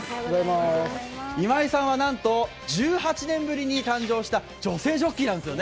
今井さんはなんと１８年ぶりに誕生した女性ジョッキーなんですよね。